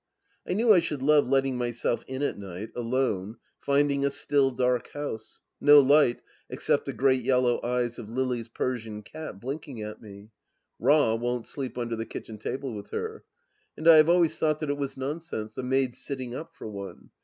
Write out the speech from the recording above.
.,, I knew I should love letting myself m at night, alone, finding a still, dark house; no light, except the great yellow eyes of Lily's Persian cat blinking at me. Rah won't sleep under the kitchen table with her. And I have always thought that it was nonsense, a maid's sitting up for one.